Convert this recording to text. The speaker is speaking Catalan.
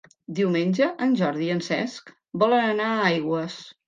Diumenge en Jordi i en Cesc volen anar a Aigües.